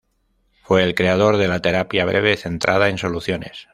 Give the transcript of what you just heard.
Fue el creador de la terapia breve centrada en soluciones.